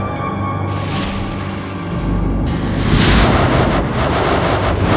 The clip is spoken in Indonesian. kok tidak apa apa